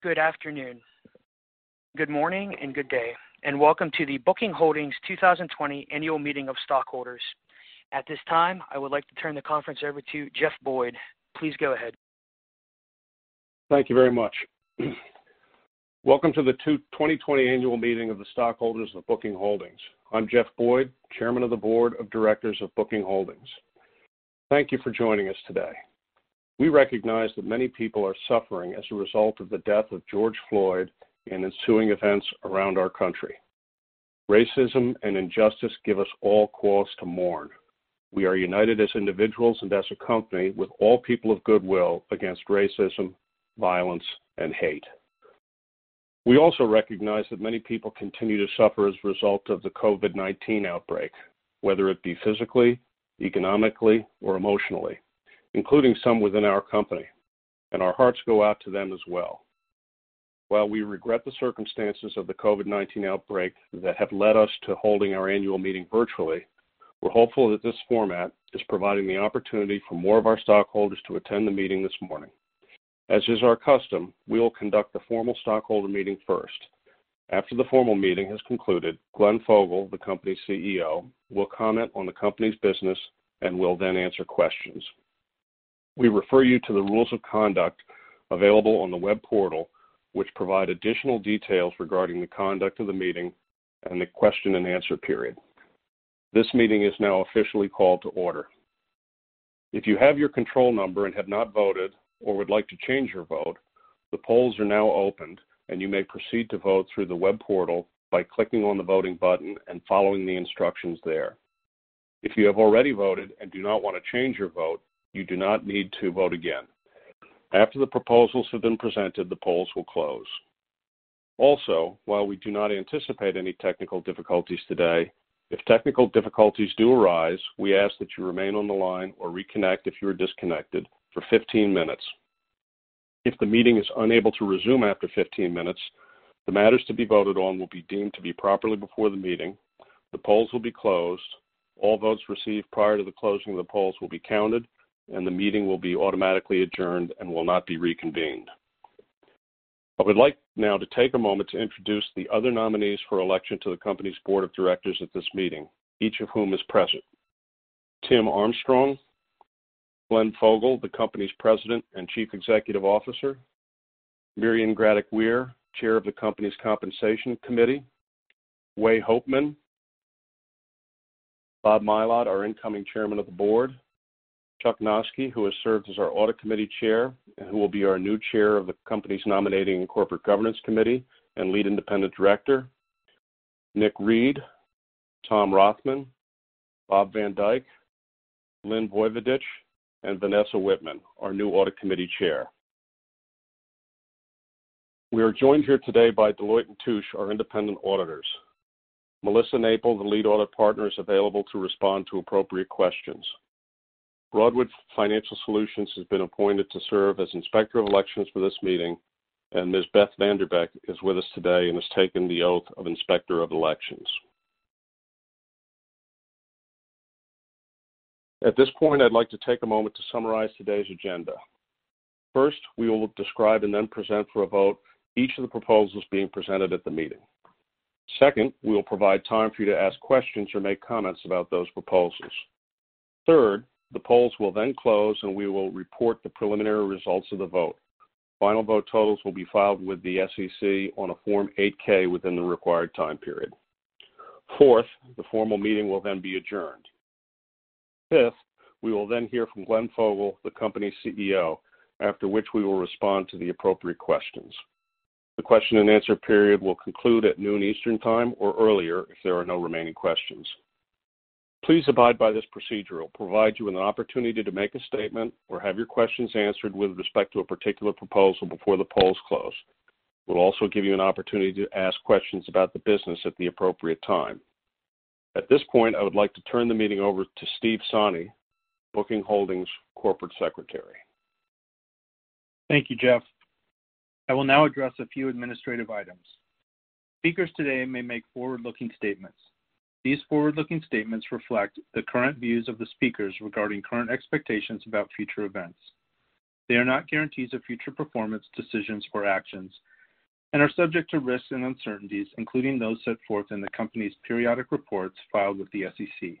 Good afternoon, good morning, and good day, and welcome to the Booking Holdings 2020 Annual Meeting of Stockholders. At this time, I would like to turn the conference over to Jeff Boyd. Please go ahead. Thank you very much. Welcome to the 2020 annual meeting of the stockholders of Booking Holdings. I'm Jeff Boyd, chairman of the board of directors of Booking Holdings. Thank you for joining us today. We recognize that many people are suffering as a result of the death of George Floyd and ensuing events around our country. Racism and injustice give us all cause to mourn. We are united as individuals and as a company with all people of goodwill against racism, violence, and hate. We also recognize that many people continue to suffer as a result of the COVID-19 outbreak, whether it be physically, economically, or emotionally, including some within our company, and our hearts go out to them as well. While we regret the circumstances of the COVID-19 outbreak that have led us to holding our annual meeting virtually, we're hopeful that this format is providing the opportunity for more of our stockholders to attend the meeting this morning. As is our custom, we will conduct the formal stockholder meeting first. After the formal meeting has concluded, Glenn Fogel, the company's CEO, will comment on the company's business and will then answer questions. We refer you to the rules of conduct available on the web portal, which provide additional details regarding the conduct of the meeting and the question-and-answer period. This meeting is now officially called to order. If you have your control number and have not voted or would like to change your vote, the polls are now opened. You may proceed to vote through the web portal by clicking on the voting button and following the instructions there. If you have already voted and do not want to change your vote, you do not need to vote again. After the proposals have been presented, the polls will close. While we do not anticipate any technical difficulties today, if technical difficulties do arise, we ask that you remain on the line or reconnect if you are disconnected for 15 minutes. If the meeting is unable to resume after 15 minutes, the matters to be voted on will be deemed to be properly before the meeting, the polls will be closed, all votes received prior to the closing of the polls will be counted, and the meeting will be automatically adjourned and will not be reconvened. I would like now to take a moment to introduce the other nominees for election to the company's board of directors at this meeting, each of whom is present. Tim Armstrong, Glenn Fogel, the company's President and Chief Executive Officer, Mirian Graddick-Weir, Chair of the company's Compensation Committee, Wei Hopeman, Bob Mylod, our incoming Chairman of the Board, Chuck Noski, who has served as our Audit Committee Chair and who will be our new Chair of the company's Nominating and Corporate Governance Committee and Lead Independent Director, Nick Read, Tom Rothman, Bob van Dijk, Lynn M. Vojvodich, and Vanessa A. Wittman, our new Audit Committee Chair. We are joined here today by Deloitte & Touche, our independent auditors. Melissa Maple, the Lead Audit Partner, is available to respond to appropriate questions. Broadridge Financial Solutions has been appointed to serve as Inspector of Elections for this meeting, and Ms. Beth Vanderbeck is with us today and has taken the oath of Inspector of Elections. At this point, I'd like to take a moment to summarize today's agenda. First, we will describe and then present for a vote each of the proposals being presented at the meeting. Second, we will provide time for you to ask questions or make comments about those proposals. Third, the polls will then close, and we will report the preliminary results of the vote. Final vote totals will be filed with the SEC on a Form 8-K within the required time period. Fourth, the formal meeting will then be adjourned. Fifth, we will then hear from Glenn Fogel, the company's CEO, after which we will respond to the appropriate questions. The question-and-answer period will conclude at noon Eastern Time or earlier if there are no remaining questions. Please abide by this procedure. It will provide you an opportunity to make a statement or have your questions answered with respect to a particular proposal before the polls close. It will also give you an opportunity to ask questions about the business at the appropriate time. At this point, I would like to turn the meeting over to Steve Sonne, Booking Holdings Corporate Secretary. Thank you, Jeff. I will now address a few administrative items. Speakers today may make forward-looking statements. These forward-looking statements reflect the current views of the speakers regarding current expectations about future events. They are not guarantees of future performance, decisions, or actions and are subject to risks and uncertainties, including those set forth in the company's periodic reports filed with the SEC.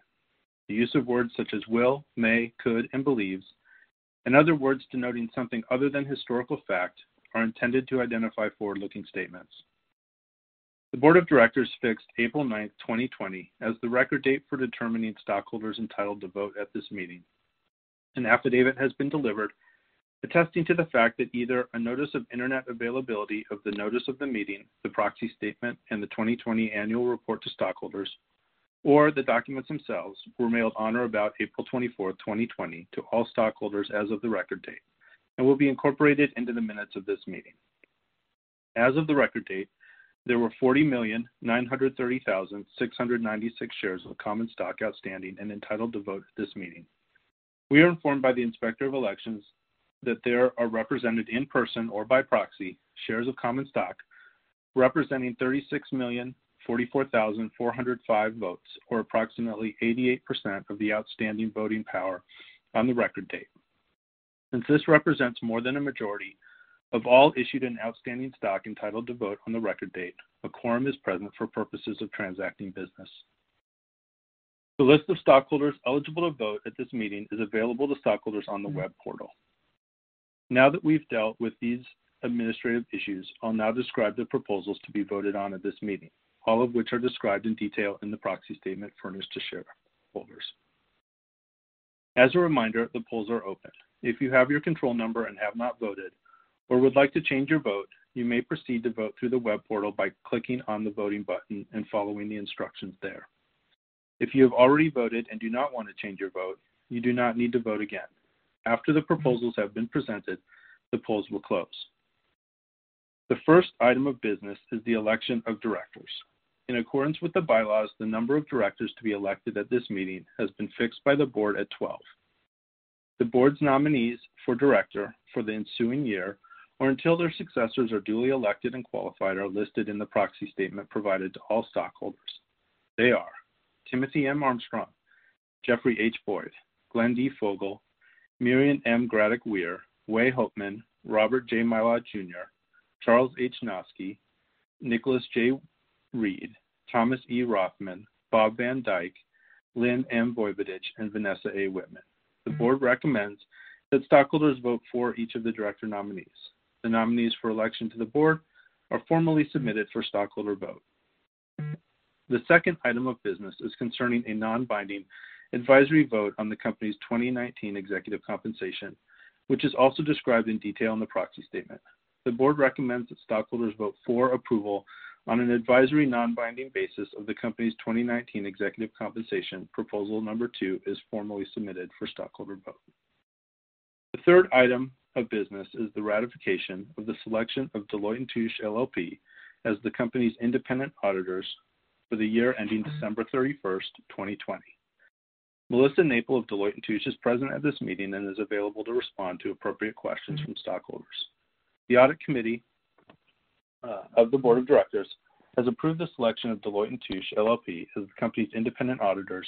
The use of words such as will, may, could, and believes, and other words denoting something other than historical fact, are intended to identify forward-looking statements. The board of directors fixed April 9th, 2020, as the record date for determining stockholders entitled to vote at this meeting. An affidavit has been delivered attesting to the fact that either a notice of Internet availability of the notice of the meeting, the proxy statement, and the 2020 annual report to stockholders, or the documents themselves were mailed on or about April 24th, 2020, to all stockholders as of the record date and will be incorporated into the minutes of this meeting. As of the record date, there were 40,930,696 shares of common stock outstanding and entitled to vote at this meeting. We are informed by the Inspector of Elections that there are represented in person or by proxy shares of common stock representing 36,044,405 votes or approximately 88% of the outstanding voting power on the record date. Since this represents more than a majority of all issued and outstanding stock entitled to vote on the record date, a quorum is present for purposes of transacting business. The list of stockholders eligible to vote at this meeting is available to stockholders on the web portal. Now that we've dealt with these administrative issues, I'll now describe the proposals to be voted on at this meeting, all of which are described in detail in the proxy statement furnished to shareholders. As a reminder, the polls are open. If you have your control number and have not voted or would like to change your vote, you may proceed to vote through the web portal by clicking on the voting button and following the instructions there. If you have already voted and do not want to change your vote, you do not need to vote again. After the proposals have been presented, the polls will close. The first item of business is the election of directors. In accordance with the bylaws, the number of directors to be elected at this meeting has been fixed by the board at 12. The board's nominees for director for the ensuing year, or until their successors are duly elected and qualified, are listed in the proxy statement provided to all stockholders. They are Timothy M. Armstrong, Jeffrey H. Boyd, Glenn D. Fogel, Mirian M. Graddick-Weir, Wei Hopeman, Robert J. Mylod Jr., Charles H. Noski, Nicholas J. Read, Thomas E. Rothman, Bob van Dijk, Lynn M. Vojvodich, and Vanessa A. Wittman. The board recommends that stockholders vote for each of the director nominees. The nominees for election to the board are formally submitted for stockholder vote. The second item of business is concerning a non-binding advisory vote on the company's 2019 executive compensation, which is also described in detail in the proxy statement. The Board recommends that stockholders vote for approval on an advisory non-binding basis of the company's 2019 executive compensation proposal number two is formally submitted for stockholder vote. The third item of business is the ratification of the selection of Deloitte & Touche LLP as the company's independent auditors for the year ending December 31st, 2020. Melissa Maple of Deloitte & Touche is present at this meeting and is available to respond to appropriate questions from stockholders. The Audit Committee of the Board of Directors has approved the selection of Deloitte & Touche LLP as the company's independent auditors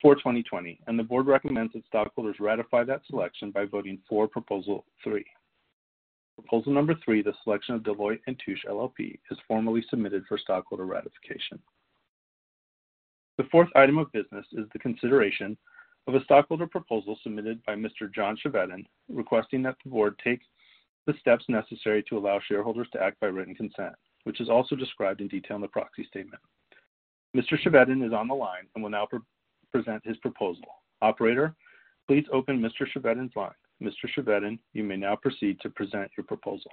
for 2020, and the Board recommends that stockholders ratify that selection by voting for proposal three. Proposal number three, the selection of Deloitte & Touche LLP, is formally submitted for stockholder ratification. The fourth item of business is the consideration of a stockholder proposal submitted by Mr. John Chevedden, requesting that the board take the steps necessary to allow shareholders to act by written consent, which is also described in detail in the proxy statement. Mr. Chevedden is on the line and will now present his proposal. Operator, please open Mr. Chevedden's line. Mr. Chevedden, you may now proceed to present your proposal.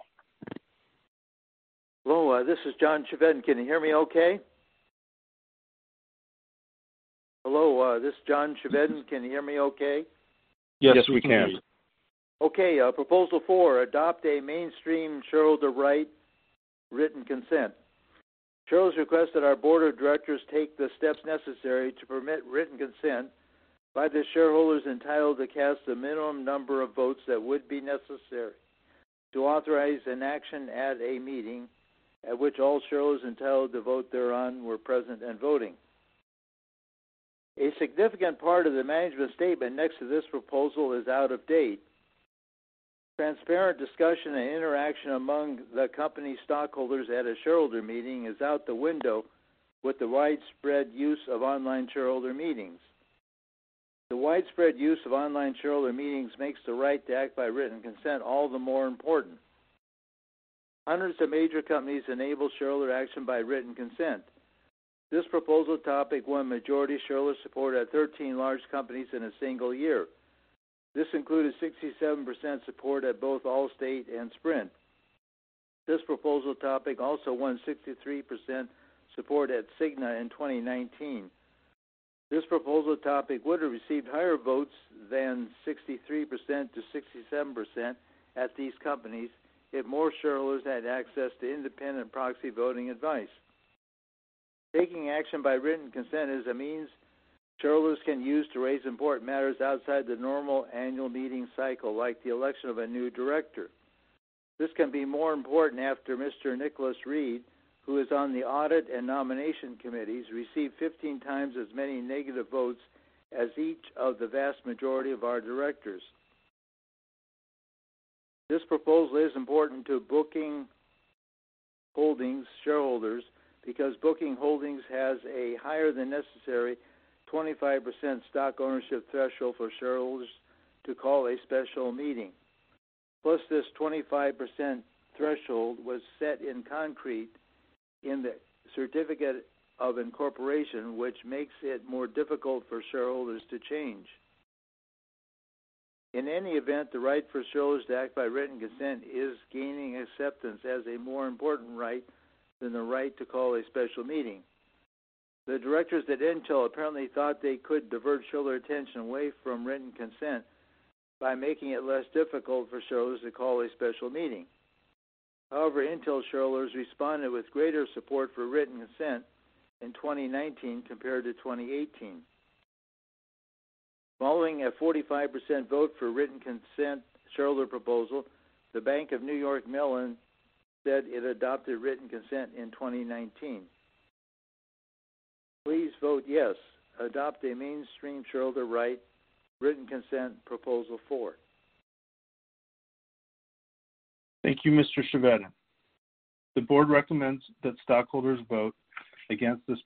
Hello, this is John Chevedden. Can you hear me okay? Yes, we can. Okay. Proposal 4, adopt a mainstream shareholder right written consent. Shareholders request that our board of directors take the steps necessary to permit written consent by the shareholders entitled to cast the minimum number of votes that would be necessary to authorize an action at a meeting at which all shareholders entitled to vote thereon were present and voting. A significant part of the management statement next to this proposal is out of date. Transparent discussion and interaction among the company stockholders at a shareholder meeting is out the window with the widespread use of online shareholder meetings. The widespread use of online shareholder meetings makes the right to act by written consent all the more important. Hundreds of major companies enable shareholder action by written consent. This proposal topic won majority shareholder support at 13 large companies in a single year. This included 67% support at both Allstate and Sprint. This proposal topic also won 63% support at Cigna in 2019. This proposal topic would have received higher votes than 63%-67% at these companies if more shareholders had access to independent proxy voting advice. Taking action by written consent is a means shareholders can use to raise important matters outside the normal annual meeting cycle, like the election of a new director. This can be more important after Mr. Nicholas Read, who is on the audit and nomination committees, received 15 times as many negative votes as each of the vast majority of our directors. This proposal is important to Booking Holdings shareholders because Booking Holdings has a higher than necessary 25% stock ownership threshold for shareholders to call a special meeting. This 25% threshold was set in concrete in the certificate of incorporation, which makes it more difficult for shareholders to change. The right for shareholders to act by written consent is gaining acceptance as a more important right than the right to call a special meeting. The directors at Intel apparently thought they could divert shareholder attention away from written consent by making it less difficult for shareholders to call a special meeting. Intel shareholders responded with greater support for written consent in 2019 compared to 2018. Following a 45% vote for written consent shareholder proposal, the Bank of New York Mellon said it adopted written consent in 2019. Please vote yes to adopt a mainstream shareholder right written consent proposal 4. Thank you, Mr. Chevedden. The board recommends that stockholders vote against this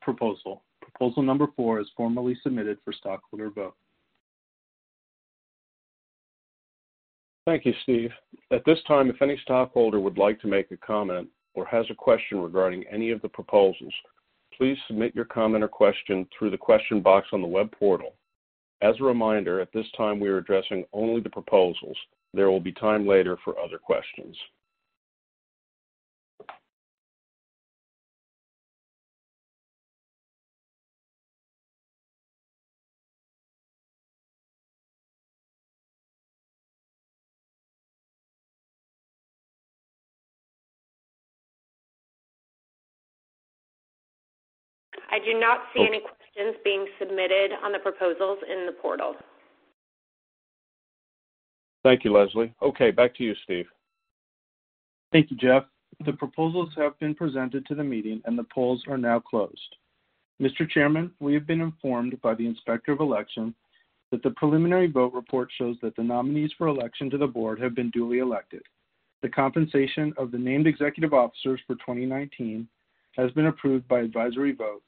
proposal. Proposal number four is formally submitted for stockholder vote. Thank you, Steve. At this time, if any stockholder would like to make a comment or has a question regarding any of the proposals, please submit your comment or question through the question box on the web portal. As a reminder, at this time, we are addressing only the proposals. There will be time later for other questions. I do not see any questions being submitted on the proposals in the portal. Thank you, Leslie. Back to you, Steve. Thank you, Jeff. The proposals have been presented to the meeting. The polls are now closed. Mr. Chairman, we have been informed by the Inspector of Election that the preliminary vote report shows that the nominees for election to the board have been duly elected. The compensation of the named executive officers for 2019 has been approved by advisory vote.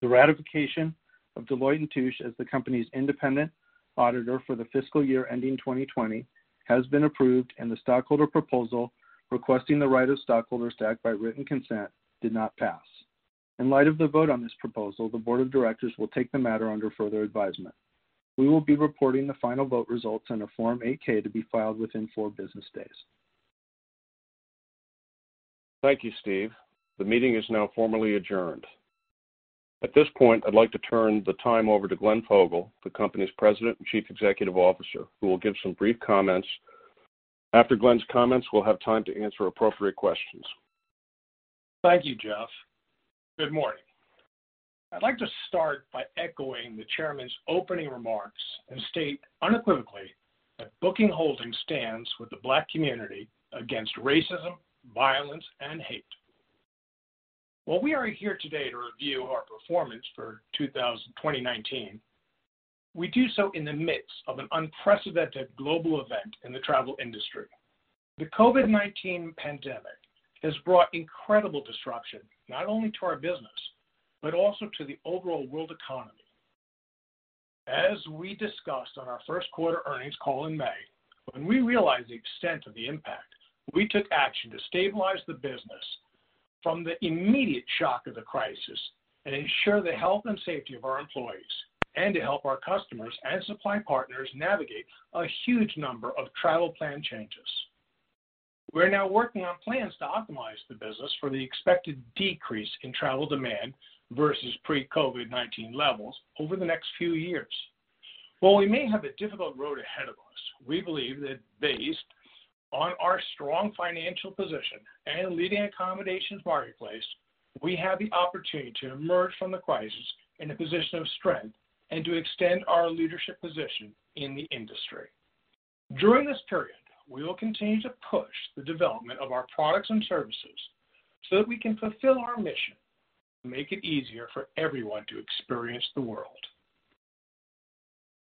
The ratification of Deloitte & Touche as the company's independent auditor for the fiscal year ending 2020 has been approved. The stockholder proposal requesting the right of stockholders to act by written consent did not pass. In light of the vote on this proposal, the board of directors will take the matter under further advisement. We will be reporting the final vote results in a Form 8-K to be filed within four business days. Thank you, Steve. The meeting is now formally adjourned. At this point, I'd like to turn the time over to Glenn Fogel, the company's President and Chief Executive Officer, who will give some brief comments. After Glenn's comments, we'll have time to answer appropriate questions. Thank you, Jeff. Good morning. I'd like to start by echoing the Chairman's opening remarks and state unequivocally that Booking Holdings stands with the Black community against racism, violence, and hate. While we are here today to review our performance for 2019, we do so in the midst of an unprecedented global event in the travel industry. The COVID-19 pandemic has brought incredible disruption, not only to our business, but also to the overall world economy. As we discussed on our first-quarter earnings call in May, when we realized the extent of the impact, we took action to stabilize the business from the immediate shock of the crisis and ensure the health and safety of our employees and to help our customers and supply partners navigate a huge number of travel plan changes. We are now working on plans to optimize the business for the expected decrease in travel demand versus pre-COVID-19 levels over the next few years. While we may have a difficult road ahead of us, we believe that based on our strong financial position and leading accommodations marketplace, we have the opportunity to emerge from the crisis in a position of strength and to extend our leadership position in the industry. During this period, we will continue to push the development of our products and services so that we can fulfill our mission to make it easier for everyone to experience the world.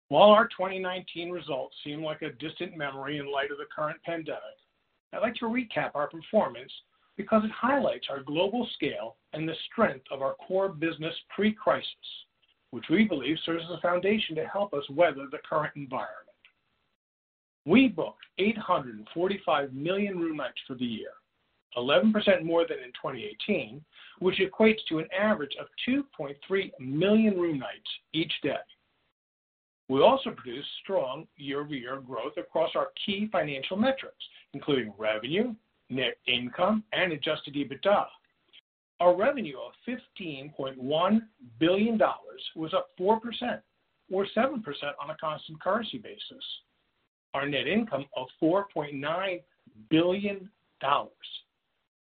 While our 2019 results seem like a distant memory in light of the current pandemic, I'd like to recap our performance because it highlights our global scale and the strength of our core business pre-crisis, which we believe serves as a foundation to help us weather the current environment. We booked 845 million room nights for the year, 11% more than in 2018, which equates to an average of 2.3 million room nights each day. We also produced strong year-over-year growth across our key financial metrics, including revenue, net income, and adjusted EBITDA. Our revenue of $15.1 billion was up 4%, or 7% on a constant currency basis. Our net income of $4.9 billion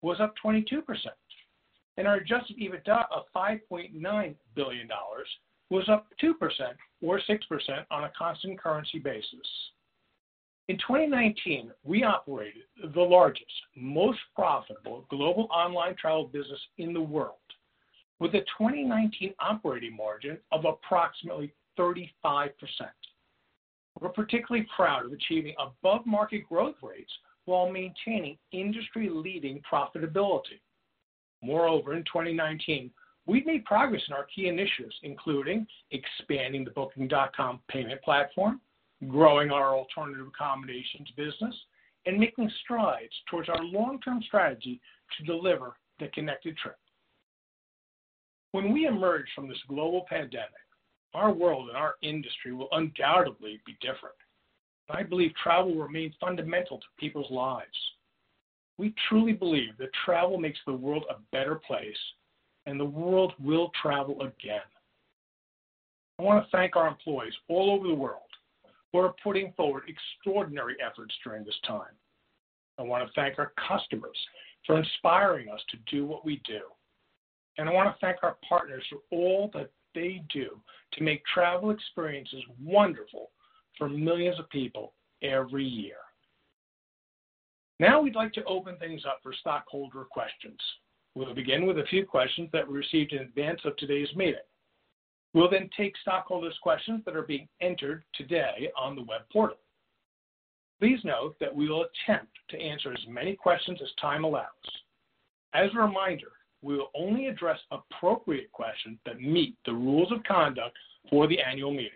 was up 22%, and our adjusted EBITDA of $5.9 billion was up 2%, or 6% on a constant currency basis. In 2019, we operated the largest, most profitable global online travel business in the world, with a 2019 operating margin of approximately 35%. We're particularly proud of achieving above-market growth rates while maintaining industry-leading profitability. Moreover, in 2019, we made progress on our key initiatives, including expanding the Booking.com payment platform, growing our alternative accommodations business, and making strides towards our long-term strategy to deliver the connected trip. When we emerge from this global pandemic, our world and our industry will undoubtedly be different. I believe travel remains fundamental to people's lives. We truly believe that travel makes the world a better place, and the world will travel again. I want to thank our employees all over the world who are putting forward extraordinary efforts during this time. I want to thank our customers for inspiring us to do what we do, and I want to thank our partners for all that they do to make travel experiences wonderful for millions of people every year. Now we'd like to open things up for stockholder questions. We'll begin with a few questions that were received in advance of today's meeting. We'll then take stockholders' questions that are being entered today on the web portal. Please note that we will attempt to answer as many questions as time allows. As a reminder, we will only address appropriate questions that meet the rules of conduct for the annual meeting.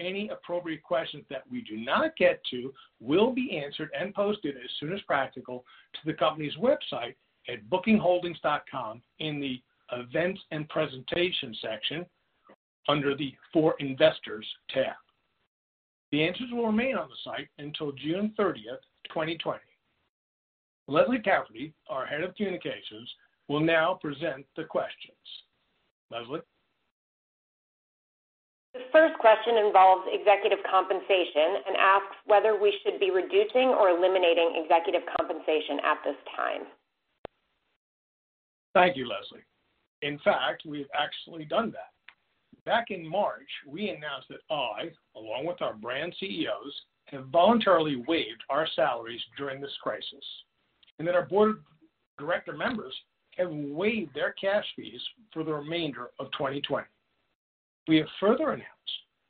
Any appropriate questions that we do not get to will be answered and posted as soon as practical to the company's website at bookingholdings.com in the Events and Presentation section under the For Investors tab. The answers will remain on the site until June 30th, 2020. Leslie Cafferty, our Head of Communications, will now present the questions. Leslie? The first question involves executive compensation and asks whether we should be reducing or eliminating executive compensation at this time. Thank you, Leslie. In fact, we've actually done that. Back in March, we announced that I, along with our brand CEOs, have voluntarily waived our salaries during this crisis, and that our board director members have waived their cash fees for the remainder of 2020. We have further announced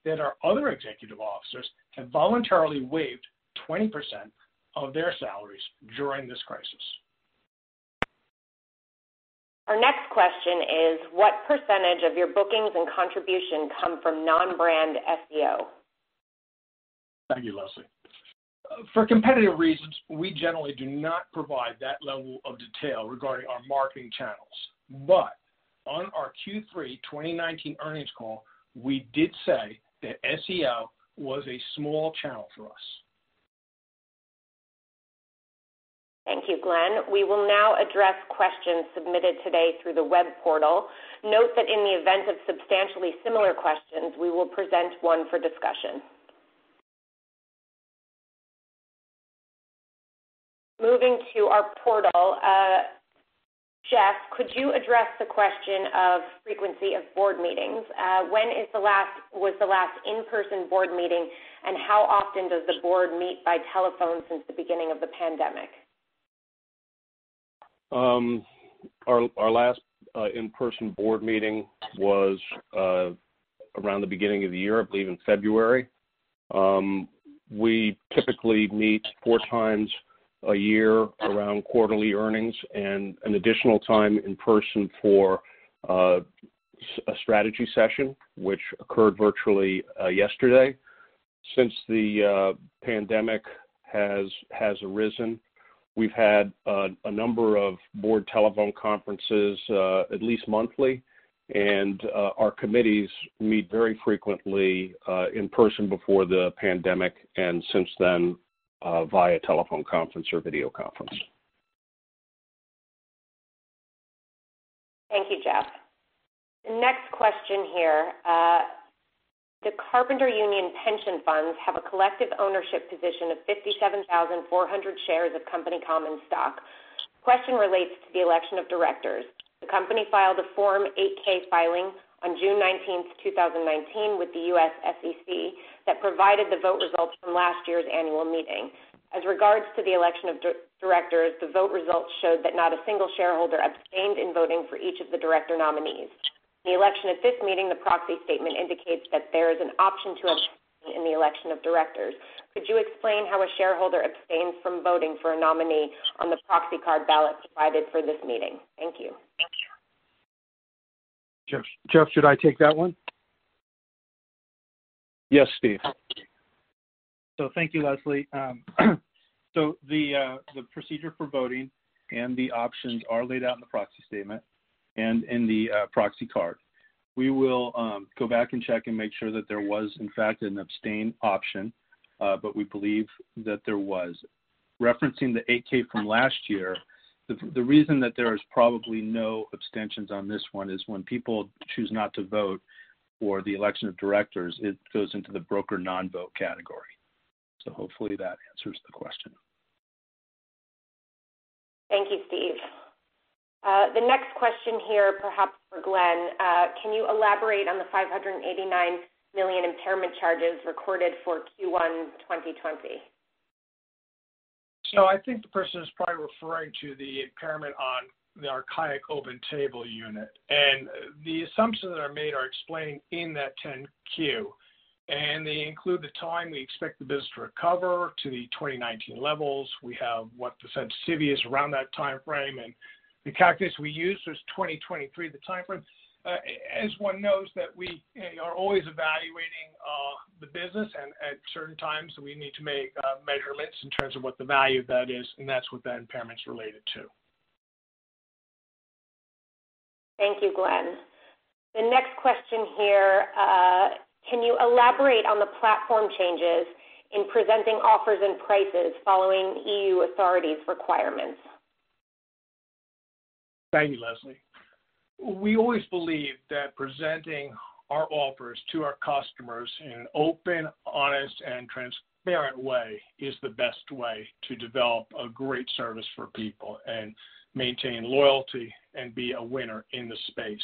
that our other executive officers have voluntarily waived 20% of their salaries during this crisis. Our next question is, what % of your bookings and contribution come from non-brand SEO? Thank you, Leslie. For competitive reasons, we generally do not provide that level of detail regarding our marketing channels. On our Q3 2019 earnings call, we did say that SEO was a small channel for us. Thank you, Glenn. We will now address questions submitted today through the web portal. Note that in the event of substantially similar questions, we will present one for discussion. Moving to our portal, Jeff, could you address the question of frequency of board meetings? When was the last in-person board meeting, and how often does the board meet by telephone since the beginning of the pandemic? Our last in-person board meeting was around the beginning of the year, I believe in February. We typically meet four times a year around quarterly earnings and an additional time in person for a strategy session, which occurred virtually yesterday. Since the pandemic has arisen, we've had a number of board telephone conferences at least monthly, and our committees meet very frequently in person before the pandemic, and since then, via telephone conference or video conference. Thank you, Jeff. Next question here. The Carpenters Union pension funds have a collective ownership position of 57,400 shares of company common stock. Question relates to the election of directors. The company filed a Form 8-K filing on June 19th, 2019 with the U.S. SEC that provided the vote results from last year's annual meeting. As regards to the election of directors, the vote results showed that not a single shareholder abstained in voting for each of the director nominees. The election at this meeting, the proxy statement indicates that there is an option to abstain in the election of directors. Could you explain how a shareholder abstains from voting for a nominee on the proxy card ballot provided for this meeting? Thank you. Jeff, should I take that one? Yes, Steve. Thank you, Leslie. The procedure for voting and the options are laid out in the proxy statement and in the proxy card. We will go back and check and make sure that there was, in fact, an abstain option. We believe that there was. Referencing the 8-K from last year, the reason that there is probably no abstentions on this one is when people choose not to vote for the election of directors, it goes into the broker non-vote category. Hopefully that answers the question. Thank you, Steve. The next question here, perhaps for Glenn. Can you elaborate on the $589 million impairment charges recorded for Q1 2020? I think the person is probably referring to the impairment on the KAYAK and OpenTable unit. The assumptions that are made are explained in that 10-Q, and they include the time we expect the business to recover to the 2019 levels. We have what the consensus is around that timeframe, and the calculus we used was 2023, the timeframe. As one knows that we are always evaluating the business, and at certain times, we need to make measurements in terms of what the value of that is, and that's what that impairment's related to. Thank you, Glenn. The next question here, can you elaborate on the platform changes in presenting offers and prices following EU authorities' requirements? Thank you, Leslie. We always believe that presenting our offers to our customers in an open, honest, and transparent way is the best way to develop a great service for people and maintain loyalty and be a winner in the space.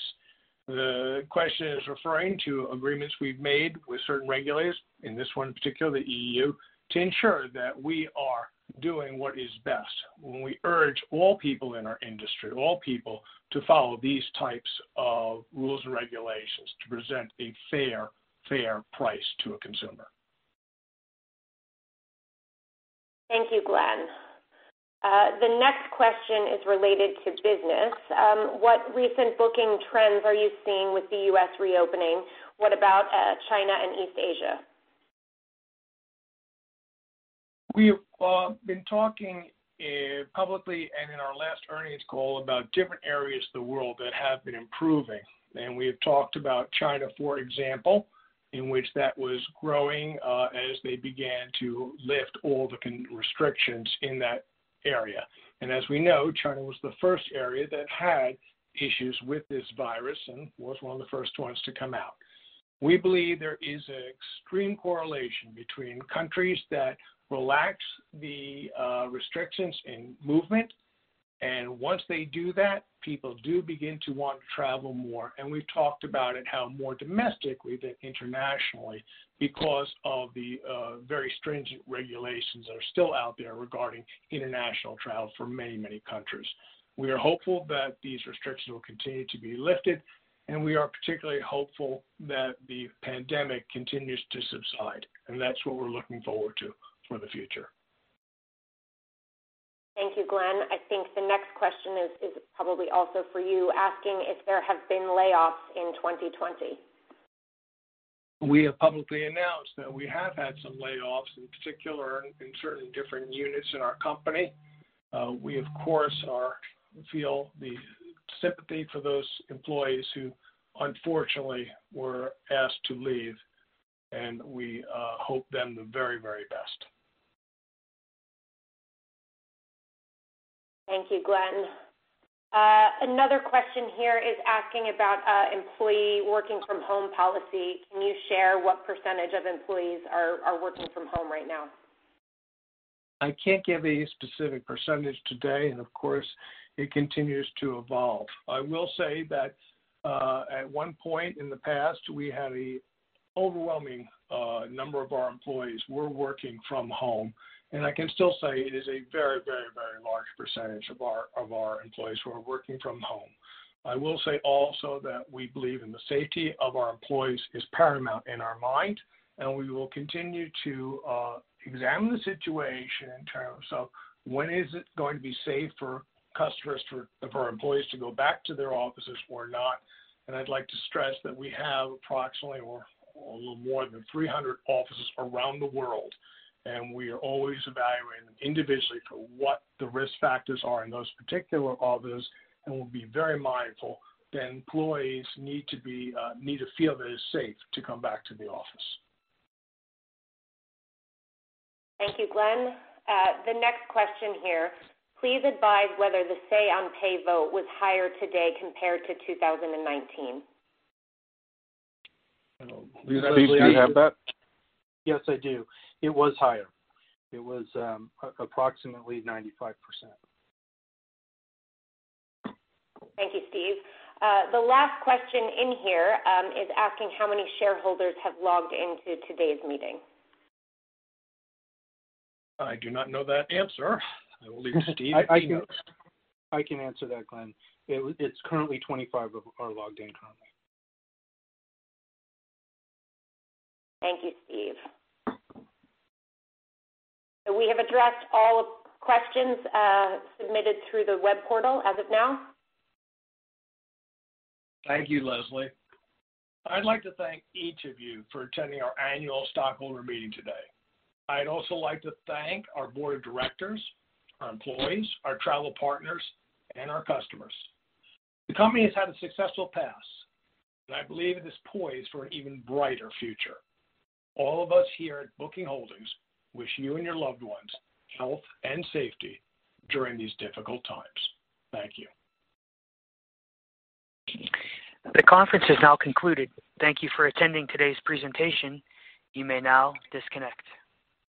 The question is referring to agreements we've made with certain regulators, in this one particular, the EU, to ensure that we are doing what is best when we urge all people in our industry, all people, to follow these types of rules and regulations to present a fair price to a consumer. Thank you, Glenn. The next question is related to business. What recent booking trends are you seeing with the U.S. reopening? What about China and East Asia? We have been talking publicly and in our last earnings call about different areas of the world that have been improving. We have talked about China, for example, in which that was growing as they began to lift all the restrictions in that area. As we know, China was the first area that had issues with this virus and was one of the first ones to come out. We believe there is an extreme correlation between countries that relax the restrictions in movement, and once they do that, people do begin to want to travel more. We've talked about it how more domestically than internationally because of the very stringent regulations that are still out there regarding international travel for many, many countries. We are hopeful that these restrictions will continue to be lifted, and we are particularly hopeful that the pandemic continues to subside. That's what we're looking forward to for the future. Thank you, Glenn. I think the next question is probably also for you, asking if there have been layoffs in 2020. We have publicly announced that we have had some layoffs, in particular, in certain different units in our company. We, of course, feel the sympathy for those employees who unfortunately were asked to leave, and we hope them the very best. Thank you, Glenn. Another question here is asking about employee working from home policy. Can you share what percentage of employees are working from home right now? I can't give a specific percentage today, and of course, it continues to evolve. I will say that at one point in the past, we had an overwhelming number of our employees were working from home, and I can still say it is a very large percentage of our employees who are working from home. I will say also that we believe in the safety of our employees is paramount in our mind, and we will continue to examine the situation in terms of when is it going to be safe for employees to go back to their offices or not. I'd like to stress that we have approximately a little more than 300 offices around the world, and we are always evaluating them individually for what the risk factors are in those particular offices, and we'll be very mindful that employees need to feel that it is safe to come back to the office. Thank you, Glenn. The next question here, please advise whether the say on pay vote was higher today compared to 2019? Steve, do you have that? Yes, I do. It was higher. It was approximately 95%. Thank you, Steve. The last question in here is asking how many shareholders have logged into today's meeting. I do not know that answer. I will leave it to Steve if he knows. I can answer that, Glenn. It's currently 25 are logged in currently. Thank you, Steve. We have addressed all questions submitted through the web portal as of now. Thank you, Leslie. I'd like to thank each of you for attending our annual stockholder meeting today. I'd also like to thank our board of directors, our employees, our travel partners, and our customers. The company has had a successful past, and I believe it is poised for an even brighter future. All of us here at Booking Holdings wish you and your loved ones health and safety during these difficult times. Thank you. The conference is now concluded. Thank you for attending today's presentation. You may now disconnect.